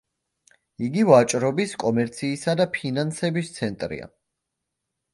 იგი ვაჭრობის, კომერციისა და ფინანსების ცენტრია.